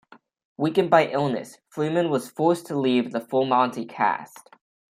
Weakened by illness, Freeman was forced to leave the "Full Monty" cast.